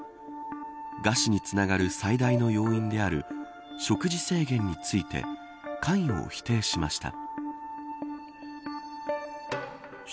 餓死につながる最大の要因である食事制限について関与を否定しました。